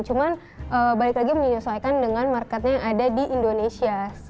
cuman balik lagi menyesuaikan dengan marketnya yang ada di indonesia